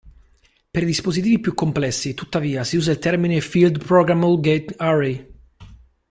Per i dispositivi più complessi, tuttavia, si usa il termine Field programmable gate array.